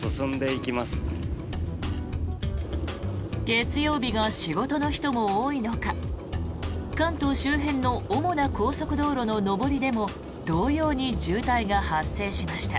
月曜日が仕事の人も多いのか関東周辺の主な高速道路の上りでも同様に渋滞が発生しました。